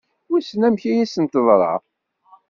Wissen amek i asent-teḍra?